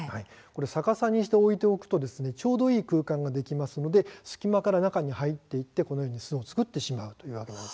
逆さにして置いておくとちょうどいい空間ができますので隙間から中に入っていって巣を作ってしまうんです。